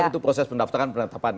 itu proses pendaftaran penetapan